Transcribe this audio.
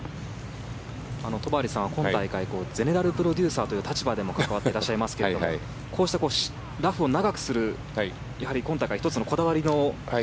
戸張さん、今大会ゼネラルプロデューサーという立場で携わっていますがこうしたラフを長くする今大会、１つのこだわりの。